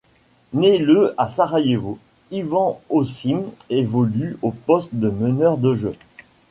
Né le à Sarajevo, Ivan Osim évolue au poste de meneur de jeu.